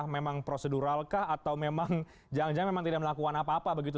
memang prosedural kah atau memang jangan jangan tidak melakukan apa apa begitu